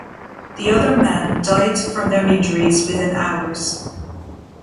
The other men died from their injuries within hours.